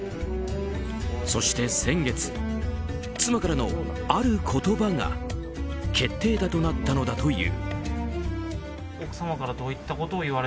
そして先月、妻からのある言葉が決定打となったのだという。